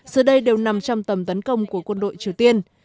giờ đây đều nằm trong tầm tấn công của quân đội triều tiên